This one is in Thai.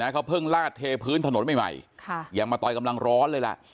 เขาเพิ่งลาดเทพื้นถนนใหม่ยังมาต่อยกำลังร้อนเลยล่ะ